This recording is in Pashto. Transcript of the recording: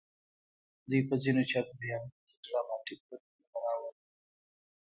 دوی په ځینو چاپېریالونو کې ډراماتیک بدلونونه راوړل.